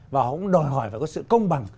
và họ cũng đòi hỏi phải có sự công bằng